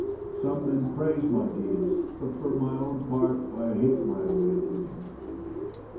Some men praise my deeds ; but, for my own part, I hate my way of living.